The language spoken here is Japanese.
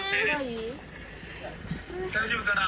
大丈夫かな？